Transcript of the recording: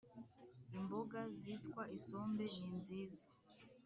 imboga zitwa isombe. ninziza